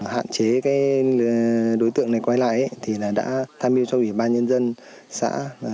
hạn chế đối tượng này quay lại thì đã tham dự cho ủy ban nhân dân xã